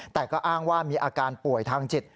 แต่ก็อ้างว่ามีอาการป่วยทางจิต